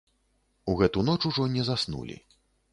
У гэту ноч ужо не заснулі.